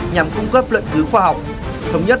nhằm cung cấp lợi cứu khoa học